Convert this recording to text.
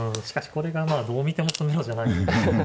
しかしこれがどう見ても詰めろじゃないので。